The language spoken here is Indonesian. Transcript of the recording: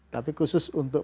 tapi khusus untuk